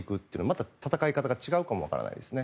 また戦い方が違うかも分からないですね。